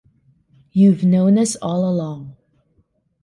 You've known us all along.